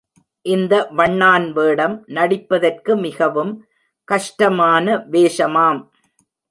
இந்த வண்ணான் வேடம் நடிப்பதற்கு மிகவும் கஷ்டமான வேஷமாம்.